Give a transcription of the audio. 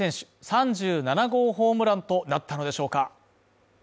３７号ホームランとなったのでしょうか